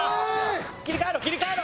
切り替えろ切り替えろ！